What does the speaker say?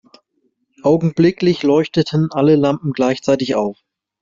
Augenblicklich leuchteten alle Lampen gleichzeitig auf.